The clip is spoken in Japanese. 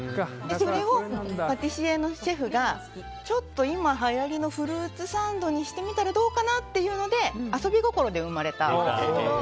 それをパティシエのシェフがちょっと今はやりのフルーツサンドにしてみたらどうかなっていうので遊び心で生まれたんです。